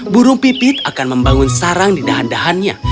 burung pipit akan membangun sarang di dahan dahannya